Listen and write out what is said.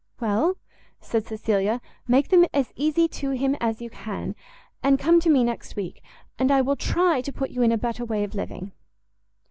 "Well," said Cecilia, "make them as easy to him as you, can, and come to me next week, and I will try to put you in a better way of living."